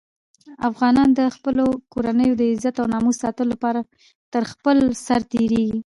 افغانان د خپلو کورنیو د عزت او ناموس ساتلو لپاره تر خپل سر تېرېږي.